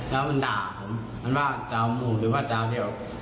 แล้วมันด่าผมมันว่าจะเอาหมูหรือว่าจะเอาเดี้ยว